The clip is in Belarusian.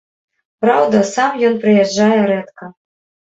Праўда, сам ён прыязджае рэдка.